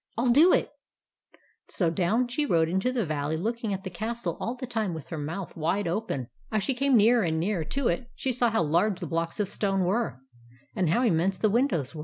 I '11 do it !" So down she rode into the valley, looking at the castle all the time with her mouth wide open. As she came nearer and nearer to it, she saw how large the blocks of stone were, and how immense the windows were, and she wondered more and more.